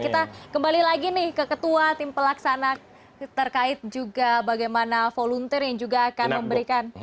kita kembali lagi nih ke ketua tim pelaksana terkait juga bagaimana volunteer yang juga akan memberikan